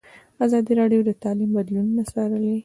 ازادي راډیو د تعلیم بدلونونه څارلي.